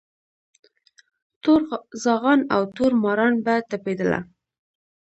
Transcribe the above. تور زاغان او تور ماران به تپېدله